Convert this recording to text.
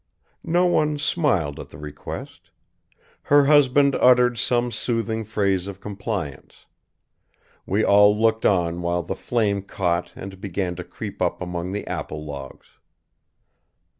No one smiled at the request. Her husband uttered some soothing phrase of compliance. We all looked on while the flame caught and began to creep up among the apple logs.